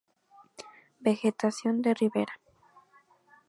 Vegetación de ribera.